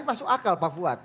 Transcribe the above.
masuk akal pak fuad